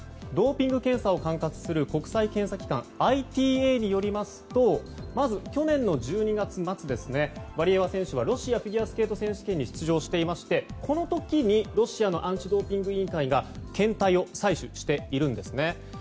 ドーピング検査を管轄する国際検査機関・ＩＴＡによりますとまず、去年の１２月末ワリエワ選手はロシアフィギュアスケート選手権に出場していまして、この時にロシアのアンチドーピング委員会が検体を採取しているんですね。